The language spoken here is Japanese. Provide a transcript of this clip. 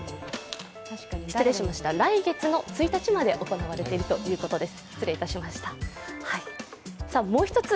失礼しました、来月の１日まで行われているということです。